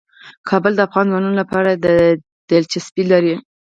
کابل د افغان ځوانانو لپاره دلچسپي لري.